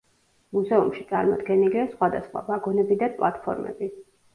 მუზეუმში წარმოდგენილია სხვადასხვა ვაგონები და პლატფორმები.